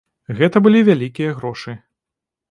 Гэта былі вялікія грошы.